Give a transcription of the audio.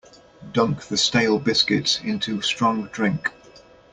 Dunk the stale biscuits into strong drink.